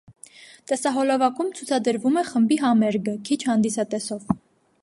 Տեսահոլովակում ցուցադրվում է խմբի համերգը՝ քիչ հանդիսատեսով։